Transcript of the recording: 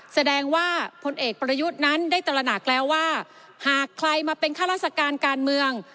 แสดงว่าพลเอกประยุทธ์นั้นได้ตระหนักแล้วว่าหากใครมาเป็นข้าราชการการเมือง